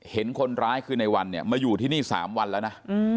เห็นคนร้ายคือในวันเนี่ยมาอยู่ที่นี่๓วันแล้วนะ